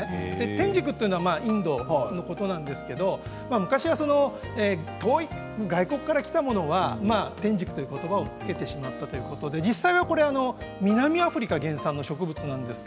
天竺というのはインドのことなんですけれど昔は遠い外国から来たものは天竺ということばを付けてしまったということで実際には南アフリカ原産の植物なんです。